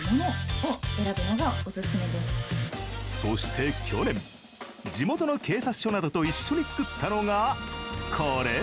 そして去年、地元の警察署などと一緒に作ったのが、これ！